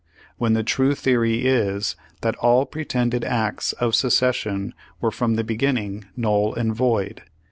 when the true theory is, that all pretended acts of seces sion were from the beginning: null and void."